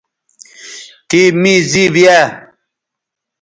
تِے می زِیب یاء